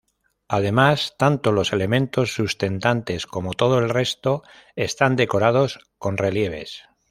Además, tanto los elementos sustentantes como todo el resto, están decorados con relieves.